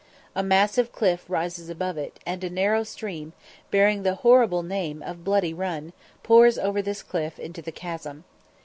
A massive cliff rises above it, and a narrow stream, bearing the horrible name of Bloody Run, pours over this cliff into the chasm.